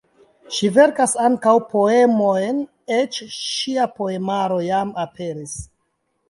Ŝi verkas ankaŭ poemojn, eĉ ŝia poemaro jam aperis.